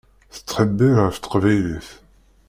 Tettḥebbiṛ ɣef teqbaylit.